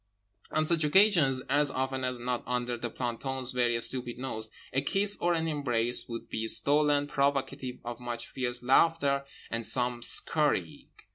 On such occasions, as often as not under the planton's very stupid nose, a kiss or an embrace would be stolen—provocative of much fierce laughter and some scurrying.